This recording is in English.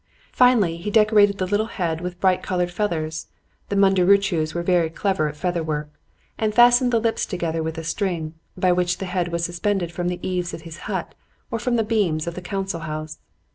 Finally he decorated the little head with bright colored feathers the Mundurucús were very clever at feather work and fastened the lips together with a string, by which the head was suspended from the eaves of his hut or from the beams of the council house.